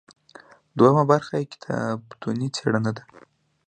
دوهمه برخه یې کتابتوني څیړنه ده.